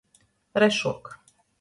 Rešuok.